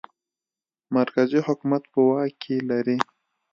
مرکزي حکومت په واک کې لري.